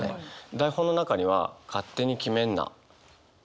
台本の中には「勝手に決めんな」。